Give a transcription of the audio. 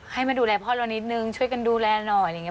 ให้มาดูแลพ่อเรานิดนึงช่วยกันดูแลหน่อยอะไรอย่างนี้